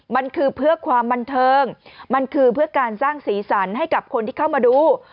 มันคือเพื่อความบันเทิงมันคือเพื่อการสร้างสีสันให้กับคนที่เข้ามาดู